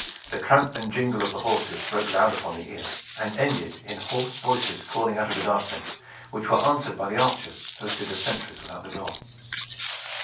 The tramp and jingle of the horses broke loud upon the ear, and ended in hoarse voices calling out of the darkness, which were answered by the archers posted as sentries without the door.